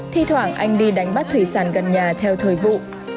thi thoảng anh đi đánh bắt thủy sản gần nhà theo thời vụ